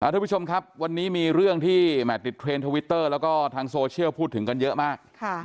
ทุกผู้ชมครับวันนี้มีเรื่องที่ติดเทรนด์ทวิตเตอร์แล้วก็ทางโซเชียลพูดถึงกันเยอะมาก